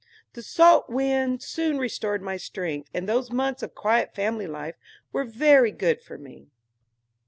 The salt wind soon restored my strength, and those months of quiet family life were very good for me.